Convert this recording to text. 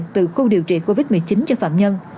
từ khu điều trị covid một mươi chín cho phạm nhân